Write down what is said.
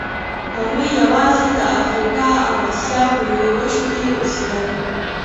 هغوی یواځې د افریقا او اسیا په لویو وچو کې اوسېدل.